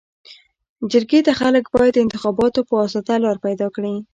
جرګي ته خلک باید د انتخاباتو پواسطه لار پيداکړي.